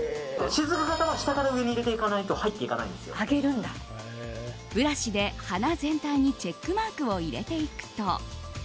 しずく形は下から上に入れていかないとブラシで鼻全体にチェックマークを入れていくと。